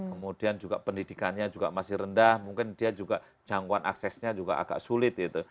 kemudian juga pendidikannya juga masih rendah mungkin dia juga jangkauan aksesnya juga agak sulit gitu